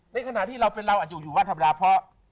ในขณะเราเป็นเราอยู่ที่ว่าทะบดาเพราะ